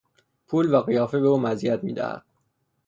پول و قیافه به او مزیت میدهد.